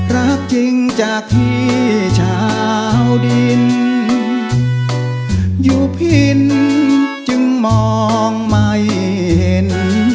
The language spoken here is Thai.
รักจริงจากที่ชาวดินอยู่พินจึงมองไม่เห็น